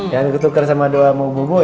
jangan ketuker sama doamu bubu ya